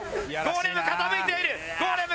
ゴーレム傾いている！